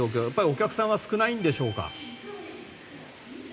お客さんは少ないんでしょうか？